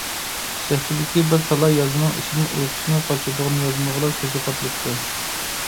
سەھىپىدىكى بىر تالاي يازمىنىڭ ئىچىدىن ئۇيقۇسىنى قاچۇرىدىغان يازمىغىلا كۆزى قادىلىپتۇ.